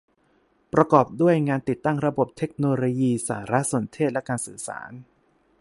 ประกอบด้วยงานติดตั้งระบบเทคโนโลยีสารสนเทศและการสื่อสาร